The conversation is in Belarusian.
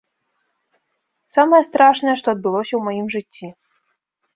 Самае страшнае, што адбылося ў маім жыцці.